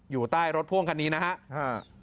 อยู่ใต้รถพ่วงคันนี้นะครับ